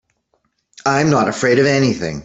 I'm not afraid of anything.